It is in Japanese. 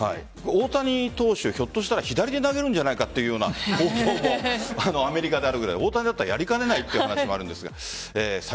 大谷投手、ひょっとしたら左で投げるんじゃないかという報道もアメリカであるくらい大谷だったらやりかねないという話もあるんですがサイ